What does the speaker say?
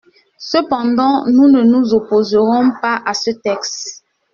Cependant, nous ne nous opposerons pas à ce texte.